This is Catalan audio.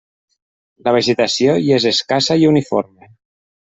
La vegetació hi és escassa i uniforme.